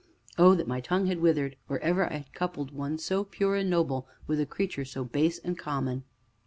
Oh, that my tongue had withered or ever I had coupled one so pure and noble with a creature so base and common!